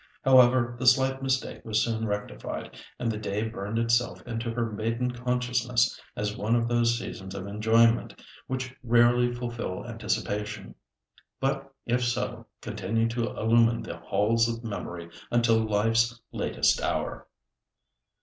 However, the slight mistake was soon rectified, and the day burned itself into her maiden consciousness as one of those seasons of enjoyment which rarely fulfil anticipation, but if so, continue to illumine the halls of memory until life's latest hour.